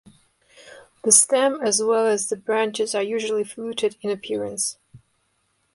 The stem as well as the branches are usually fluted in appearance.